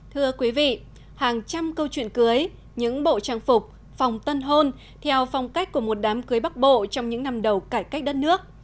thưa quý vị hàng trăm câu chuyện cưới những bộ trang phục phòng tân hôn theo phong cách của một đám cưới bắc bộ trong những năm đầu cải cách đất nước